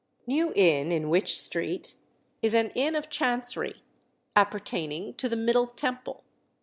New Inn, in Wych Street, is an inn of Chancery, appertaining to the Middle Temple.